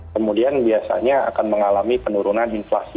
kemudian biasanya akan mengalami penurunan inflasi